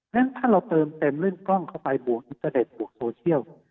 ฉะถ้าเราเติมเต็มเรื่องกล้องเข้าไปบวกอินเตอร์เน็ตบวกโซเชียล